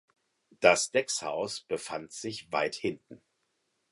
Das Deckshaus befand sich weit hinten.